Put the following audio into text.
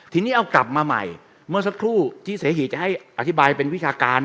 ทีนี้เอากลับมาใหม่เมื่อสักครู่ที่เสหีจะให้อธิบายเป็นวิชาการ